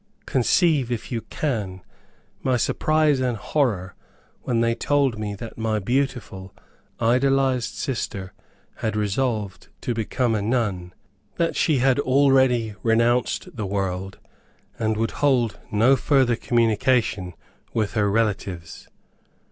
Conceive, if you can, my surprise and horror, when they told me that my beautiful, idolized sister had resolved to become a nun. That she had already renounced the world, and would hold no further communication with her relatives.